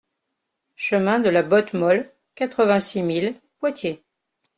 Chemin de la Botte Molle, quatre-vingt-six mille Poitiers